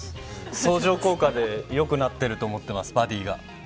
相乗効果で良くなっていると思っています、バディが。